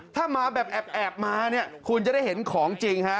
ถ้ามาแบบแอบมาเนี่ยคุณจะได้เห็นของจริงฮะ